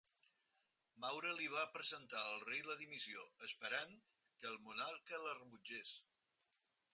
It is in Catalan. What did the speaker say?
Maura li va presentar al rei la dimissió, esperant que el monarca la rebutgés.